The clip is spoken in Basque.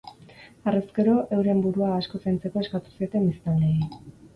Harrezkero, euren burua asko zaintzeko eskatu zieten biztanleei.